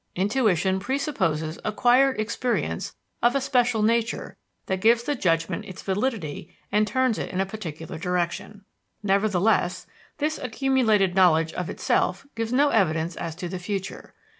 Intuition presupposes acquired experience of a special nature that gives the judgment its validity and turns it in a particular direction. Nevertheless, this accumulated knowledge of itself gives no evidence as to the future.